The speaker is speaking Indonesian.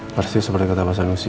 pasti seperti kata bahasa nusi